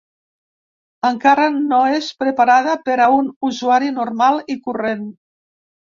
Encara no és preparada per a un usuari normal i corrent.